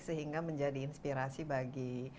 sehingga menjadi inspirasi bagi